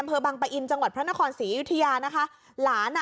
อำเภอบังปะอินจังหวัดพระนครศรีอยุธยานะคะหลานอ่ะ